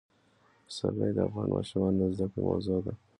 پسرلی د افغان ماشومانو د زده کړې موضوع ده.